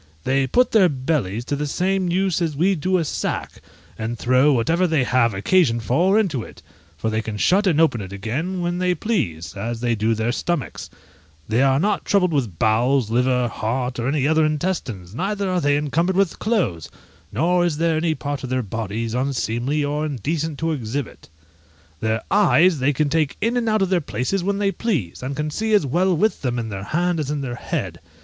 They put their bellies to the same use as we do a sack, and throw whatever they have occasion for into it, for they can shut and open it again when they please, as they do their stomachs; they are not troubled with bowels, liver, heart, or any other intestines, neither are they encumbered with clothes, nor is there any part of their bodies unseemly or indecent to exhibit. Their eyes they can take in and out of their places when they please, and can see as well with them in their hand as in their head!